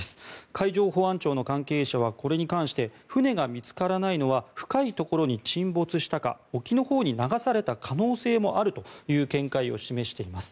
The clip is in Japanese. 海上保安庁の関係者はこれに関して船が見つからないのは深いところに沈没したか沖のほうに流された可能性もあるという見解を示しています。